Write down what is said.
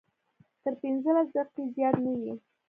تر پنځلس دقیقې زیات نه وي.